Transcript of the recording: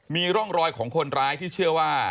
มีร่องรอยของคนร้ายที่เชื่อว่า